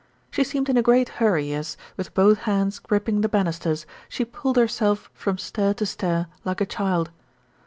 She seemed in a great hurry as, with both hands gripping the banisters, she pulled herself from stair to stair like a child.